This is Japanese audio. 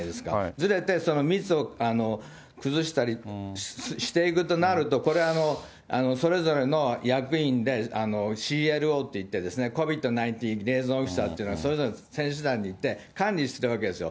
ずれて、密を崩したりしていくとなると、これ、それぞれの役員で、ＣＬＯっていって、ＣＯＶＩＤー１９っていうのは、それぞれの選手団にいて管理するわけですよ。